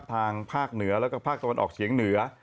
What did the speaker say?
ทางภาคเหนือแล้วก็ภาคตะวันออกเฉียงเหนือ